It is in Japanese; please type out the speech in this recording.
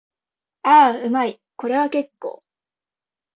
ああ、うまい。これは結構。